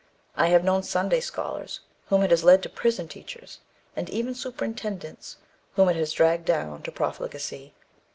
I have known Sunday scholars whom it has led to prison teachers, and even superintendents, whom it has dragged down to profligacy.